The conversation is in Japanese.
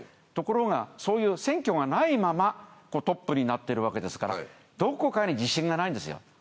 ところがそういう選挙がないままトップになってるわけですからどこかに自信がないんですよ。